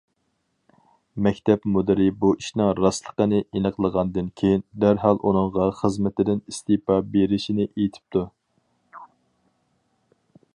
مەكتەپ مۇدىرى بۇ ئىشنىڭ راستلىقىنى ئېنىقلىغاندىن كېيىن، دەرھال ئۇنىڭغا خىزمىتىدىن ئىستېپا بېرىشنى ئېيتىپتۇ.